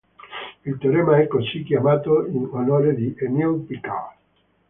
Il teorema è così chiamato in onore di Émile Picard.